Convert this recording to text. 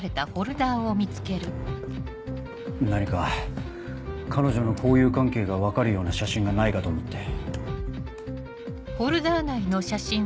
何か彼女の交友関係が分かるような写真がないかと思って。